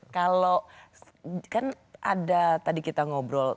kalau kan ada tadi kita ngobrol